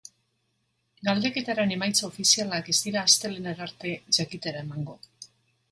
Galdeketaren emaitza ofizialak ez dira astelehenera arte jakitera emango.